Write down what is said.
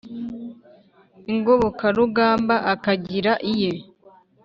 ingobokarugamba akagira iye